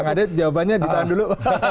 kang ade jawabannya ditahan dulu